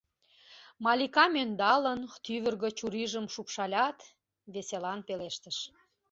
Маликам ӧндалын, тӱвыргӧ чурийжым шупшалят, веселан пелештыш: